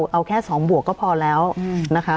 เอาแค่๒บวกก็พอแล้วนะคะ